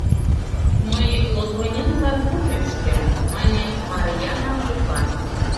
«Мый Лотвоненлан кофем ыштем», – мане Марйаана кока.